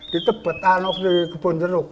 di tepet anak di kebun jeruk